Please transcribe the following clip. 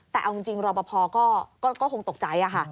แต่เอาจริงรอปภก็คงตกใจค่ะ